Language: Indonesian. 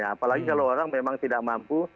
apalagi kalau orang memang tidak mampu